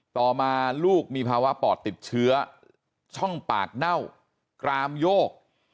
ต่อมาลูกมีภาวะปอดติดเชื้อช่องปากเน่ากรามโยก